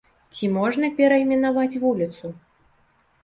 Ці можна перайменаваць вуліцу?